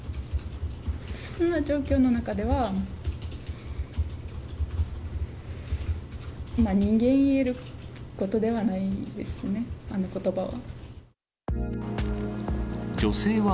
そんな状況の中では、人間、言えることではないですね、あのことばは。